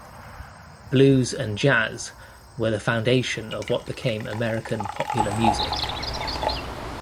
Blues and jazz were the foundation of what became American popular music.